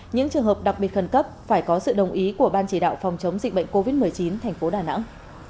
những trường hợp đặc biệt khẩn cấp phải có sự đồng ý của ban chỉ đạo phòng chống dịch bệnh covid một mươi chín thành phố đà nẵng